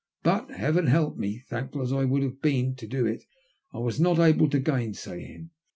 But — heaven help me !— thankful as I would have been to do it, I was not able to gainsay him.